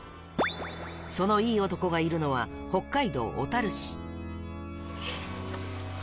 そのいい男がいるのは、北海道小樽市。